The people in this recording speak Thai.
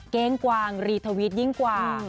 เก้งกวางรีทวิตยิ่งกว่า